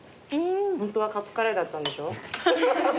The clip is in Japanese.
ホントはカツカレーだったんでしょ？